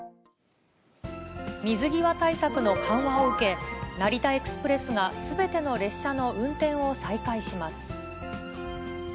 水際対策の緩和を受け、成田エクスプレスがすべての列車の運転を再開します。